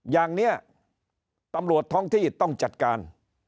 อย่างนี้ตำรวจท้องที่ต้องจัดการ